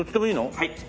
はい。